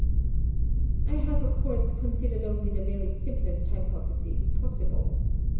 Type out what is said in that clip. I have, of course, considered only the very simplest hypotheses possible.